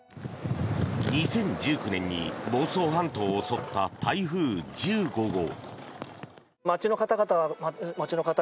２０１９年に房総半島を襲った台風１５号。